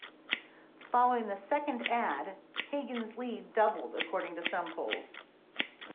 Following the second ad Hagan's lead doubled according to some polls.